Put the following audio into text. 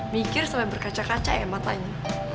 mikir sampai berkaca kaca ya matanya